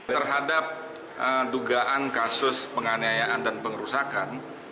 terhadap dugaan kasus penganiayaan dan pengerusakan